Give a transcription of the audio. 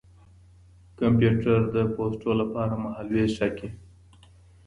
کمپيوټر د پوسټو له پاره مهالوېش ټاکي.